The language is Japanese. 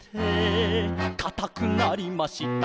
「かたくなりました」